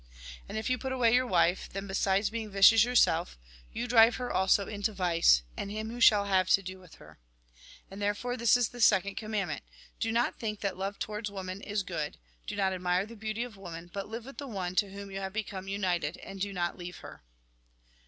And if you put away your wife, then, besides being vicious yourself, you drive her also into vice, and him who shall have to do with her. And therefore, this is the second commandment : Do not think that love towards woman is good; do not admire the beauty of women, but live with the one to whom you have become united, and do not leave her.